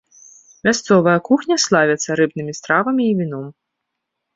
Мясцовая кухня славіцца рыбнымі стравамі і віном.